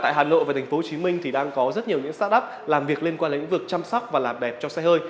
tại hà nội và tp hcm thì đang có rất nhiều những start up làm việc liên quan đến lĩnh vực chăm sóc và làm đẹp cho xe hơi